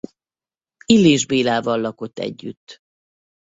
Illés Bélával lakott együtt.